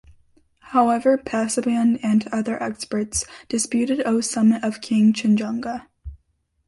However, Pasaban and other experts disputed Oh's summit of Kangchenjunga.